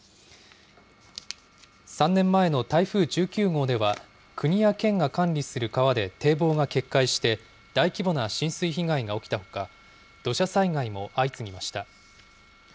３年前の台風１９号では、国や県が管理する川で堤防が決壊して、大規模な浸水被害が起きたほか、土砂災害も相次ぎました。